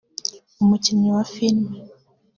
umukinnyi wa film